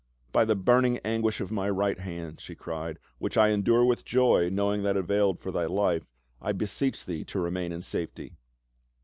" By the burn ing anguish of my right hand," she cried, " which I endure with joy, knowing that it availed for thy life, I beseech thee to remain in safety."